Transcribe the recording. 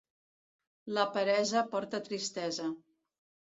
La peresa porta tristesa.